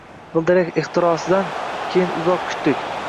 G‘ildirak ixtirosidan keyin uzoq kutdik.